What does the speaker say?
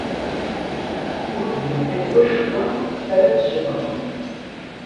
Ur d-yeqqim wacemma ara d-ssuqqleɣ.